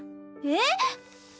えっ⁉